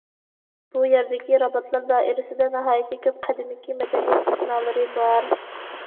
بۇ يەردىكى راباتلار دائىرىسىدە ناھايىتى كۆپ قەدىمكى مەدەنىيەت ئىزنالىرى بار.